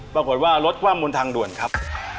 ปรากฏว่ารถคว่ำบนทางด่วนครับ